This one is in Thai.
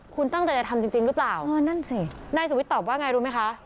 คุณตั้งใจจะทำจริงหรือเปล่าเออนั่นสินายสุวิทย์ตอบว่าไงรู้ไหมคะ